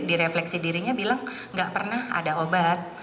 diri refleksi dirinya bilang enggak pernah ada obat